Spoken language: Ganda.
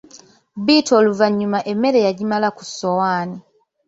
Bittu oluvannyuma emmere yagimala ku ssowaani.